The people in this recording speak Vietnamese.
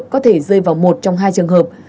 có thể rơi vào một trong hai trường hợp